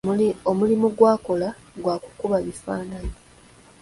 Omulimu gw'akola gwa kukuba bifaananyi.